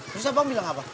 terus siapa bilang apa